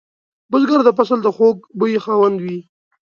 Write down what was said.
بزګر د فصل د خوږ بوی خاوند وي